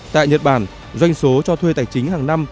tại nhật bản doanh số cho thuê tài chính hàng năm